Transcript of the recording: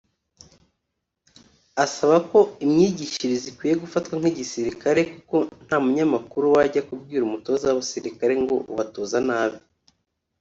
Asaba ko imyigishirize ikwiye gufatwa nk’igisirikare kuko nta munyamakuru wajya kubwira umutoza w’abasirikare ngo ‘ubatoza nabi’